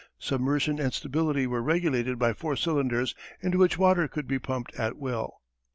Submersion and stability were regulated by four cylinders into which water could be pumped at will.